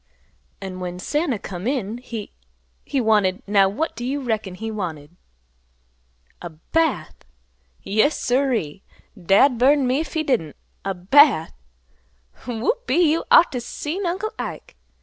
"An' when Santa come in, he—he wanted—Now what d' you reckon he wanted? A bath! Yes, sir e e. Dad burn me, 'f he didn't. A bath! Whoop e e, you ought t' seen Uncle Ike!